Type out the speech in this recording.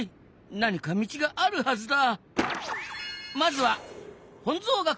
何か道があるはずだ。